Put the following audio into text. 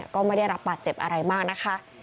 ก็ไม่ได้รับบาดเจ็บอะไรมากนะคะ